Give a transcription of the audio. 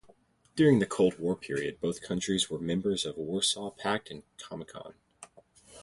During the Cold War period both countries were members of Warsaw Pact and Comecon.